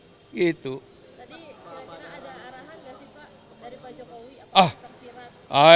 tadi kebetulan ada arahan ya sih pak dari pak jokowi